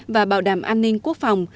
và bảo đảm an ninh quốc phòng